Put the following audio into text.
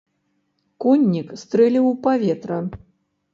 Коннік стрэліў у паветра.